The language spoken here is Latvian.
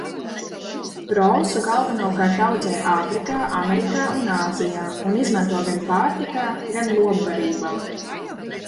Prosu galvenokārt audzē Āfrikā, Amerikā un Āzijā, un izmanto gan pārtikā, gan lopbarībā.